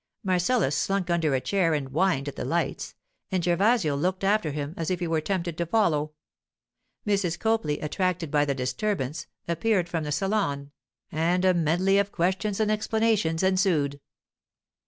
Marcellus slunk under a chair and whined at the lights, and Gervasio looked after him as if he were tempted to follow. Mrs. Copley, attracted by the disturbance, appeared from the salon, and a medley of questions and explanations ensued.